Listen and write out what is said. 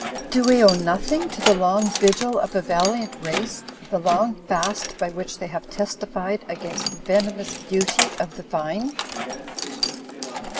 Do we owe nothing to the long vigil of a valiant race, the long fast by which they have testified against the venomous beau^ of the Vine?